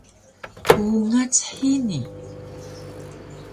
Ungac hini